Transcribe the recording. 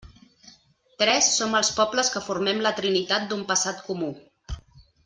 Tres som els pobles que formem la trinitat d'un passat comú.